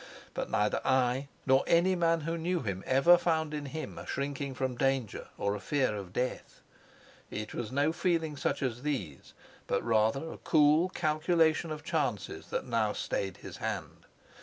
But neither I nor any man who knew him ever found in him a shrinking from danger or a fear of death. It was no feeling such as these, but rather a cool calculation of chances, that now stayed his hand.